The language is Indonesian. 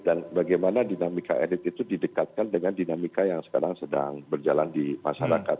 dan bagaimana dinamika elit itu didekatkan dengan dinamika yang sekarang sedang berjalan di masyarakat